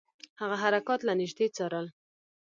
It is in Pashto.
هغه حرکات له نیژدې څارل.